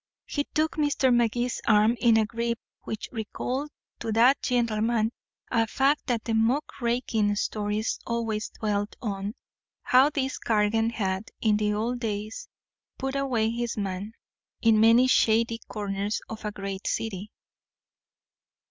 He took Mr. Magee's arm in a grip which recalled to that gentleman a fact the muckraking stories always dwelt on how this Cargan had, in the old days, "put away his man" in many shady corners of a great city.